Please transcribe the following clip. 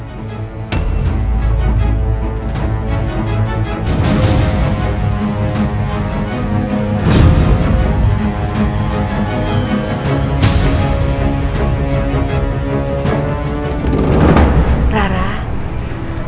ayahku akan menurunkan ajian rawa rontek kepadamu